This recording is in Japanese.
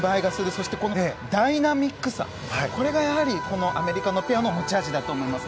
そしてダイナミックさこれがアメリカのペアの持ち味だと思います。